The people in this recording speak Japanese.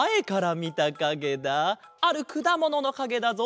あるくだもののかげだぞ。